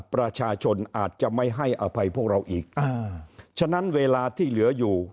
ประชาชนอาจจะไม่ให้อภัยพวกเราอีกอ่าฉะนั้นเวลาที่เหลืออยู่